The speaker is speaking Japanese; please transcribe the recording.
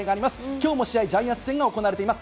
きょうも試合、ジャイアンツ戦が行われています。